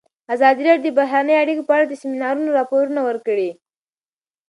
ازادي راډیو د بهرنۍ اړیکې په اړه د سیمینارونو راپورونه ورکړي.